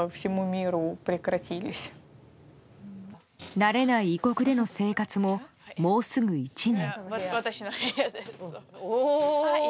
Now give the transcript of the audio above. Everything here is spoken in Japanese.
慣れない異国での生活ももうすぐ１年。